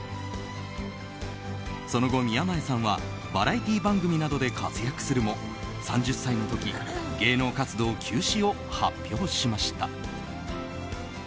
その後、宮前さんはバラエティー番組などで活躍するも３０歳の時芸能活動休止を発表しました。